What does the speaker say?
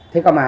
thế còn mà